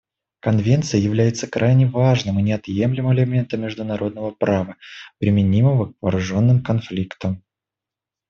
Конвенция является крайне важным и неотъемлемым элементом международного права, применимого к вооруженным конфликтам.